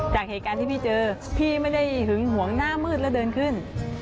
จากเหตุการณ์ที่พี่เจอพี่ไม่ได้หึงหวงหน้ามืดแล้วเดินขึ้น